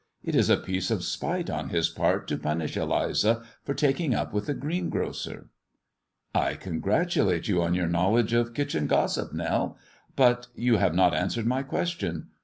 It is a piece of spite on his part to punish Eliza for taking up with the greengrocer." "I congratulate you on your knowledge of kitchen 316 THE RAINBOW CAMELUA gossip, Nell. But you have not answered my question.